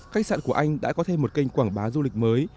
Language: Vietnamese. khách sạn của anh đã có thêm một kênh quảng bá du lịch mới